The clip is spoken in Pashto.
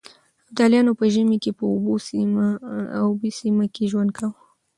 ابدالیانو په ژمي کې په اوبې سيمه کې ژوند کاوه.